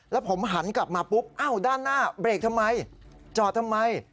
แล้วผมหันกลับมาปุ๊บอ้าวด้านหน้าเบรกทำไมจอดทำไม